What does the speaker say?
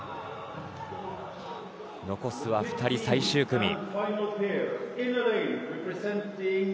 残すは２人、最終組。